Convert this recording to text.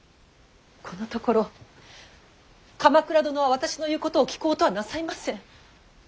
このところ鎌倉殿は私の言うことを聞こうとはなさいません。